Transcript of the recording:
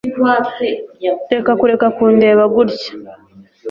reka kureka kundeba gutya